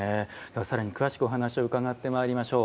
さらに詳しくお話を伺ってまいりましょう。